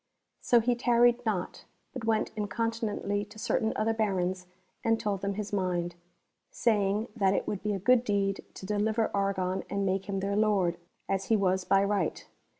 So he tarried not, but went incontinently to certain other Barons and told them his mind, saying that it would be a good deed to deliver Argon and make him their lord, as he was by right.